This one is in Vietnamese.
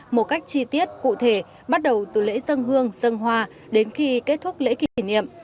một cách chi tiết cụ thể bắt đầu từ lễ dân hương dân hoa đến khi kết thúc lễ kỷ niệm